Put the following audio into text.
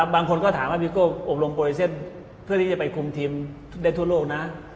บางคนก็ถามว่าพี่โก้อบลงโปรลิเซนต์เพื่อที่จะไปคุมทีมได้ทั่วโลกนะ